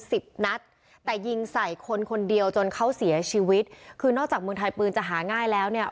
สิบนัดแต่ยิงใส่คนคนเดียวจนเขาเสียชีวิตคือนอกจากเมืองไทยปืนจะหาง่ายแล้วเนี่ย